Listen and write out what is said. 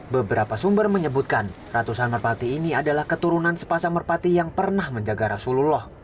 beberapa sumber menyebutkan ratusan merpati ini adalah keturunan sepasang merpati yang pernah menjaga rasulullah